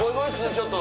ちょっと。